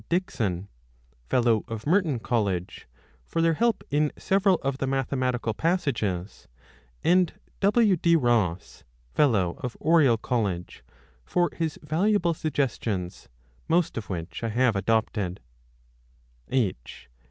Dixon (Fellow of Merton College) for their help in several of the mathematical passages, and W. D. Ross (Fellow of Oriel College) for his valuable suggestions, most of which I have ad0pted H.